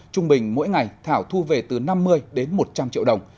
trung bình mỗi ngày thảo thu về từ năm mươi đến một trăm linh triệu đồng